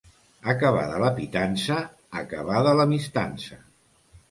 Acabada la pitança, acabada l'amistança.